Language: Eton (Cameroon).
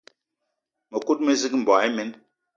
Mëkudgë mezig, mboigi imen